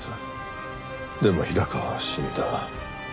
でも平川は死んだ。